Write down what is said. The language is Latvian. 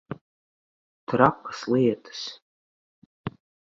Trakas lietas.